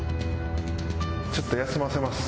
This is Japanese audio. ちょっと休ませます。